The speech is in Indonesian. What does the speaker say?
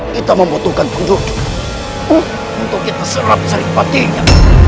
kita membutuhkan kudut untuk kita serap sering batinya